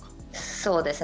そうですね。